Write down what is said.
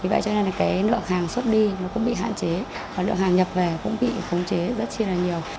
vì vậy cho nên lượng hàng xuất đi cũng bị hạn chế và lượng hàng nhập về cũng bị khống chế rất chi là nhiều